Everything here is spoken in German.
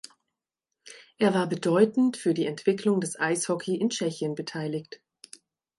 Er war bedeutend für die Entwicklung des Eishockey in Tschechien beteiligt.